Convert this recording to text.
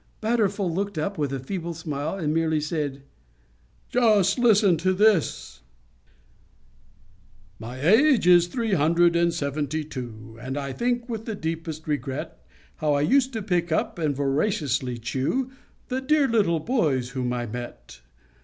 Badorful looked up with a feeble smile, and merely said, "Just listen to this:" _My age is three hundred and seventy two, And I think, with the deepest regret, How I used to pick up and voraciously chew The dear little boys whom I met.